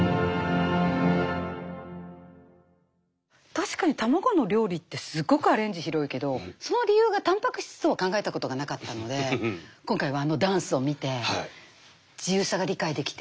確かに卵の料理ってすごくアレンジ広いけどその理由がたんぱく質とは考えたことがなかったので今回はあのダンスを見て自由さが理解できて。